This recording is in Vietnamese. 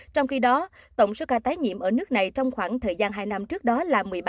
trong khi đó tổng số ca tái nhiễm ở nước này trong khoảng thời gian hai năm trước đó là một mươi ba